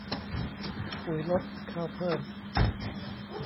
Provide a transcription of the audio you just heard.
ปุ๋ยลด ข้าวเพิ่ม